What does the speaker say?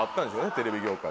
テレビ業界。